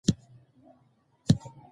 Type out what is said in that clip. دا ماشین په اتومات ډول کار کوي.